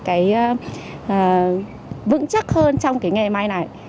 cái vững chắc hơn trong cái nghề mai này